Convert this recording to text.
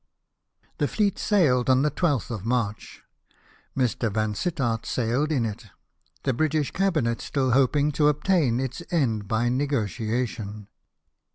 The fleet sailed on the 12th of March. Mr. Yansittart sailed in it, the British Cabinet still hopmg to obtain its end by negotiation.